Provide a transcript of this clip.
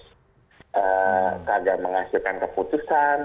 seagal menghasilkan keputusan